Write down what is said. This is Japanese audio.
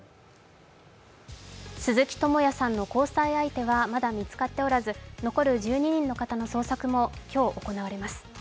鈴木智也さんの交際相手はまだ見つかっておらず残る１２人の方の捜索も今日行われます。